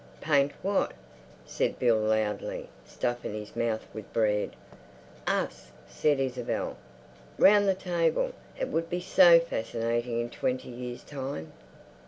"Paint what?" said Bill loudly, stuffing his mouth with bread. "Us," said Isabel, "round the table. It would be so fascinating in twenty years' time."